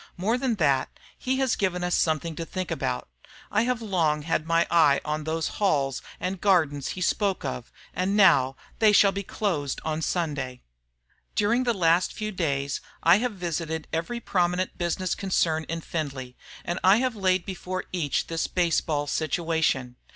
More than that, he has given us something to think about. I have long had my eye on those halls and gardens he spoke of, and now they shall be closed on Sundays. "During the last few days I have visited every prominent business concern in Findlay, and I have laid before each this baseball situation.